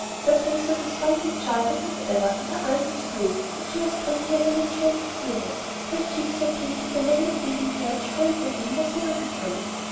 Her face was as frank and childlike as ever, and her eyes as blue; but she was prettier than when she went to Europe, for her cheeks were pink, and the mane of waving hair which framed them in was very becoming.